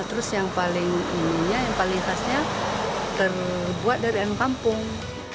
terus yang paling khasnya terbuat dari ayam kampung